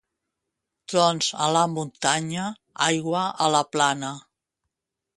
Trons a la muntanya, aigua a la plana.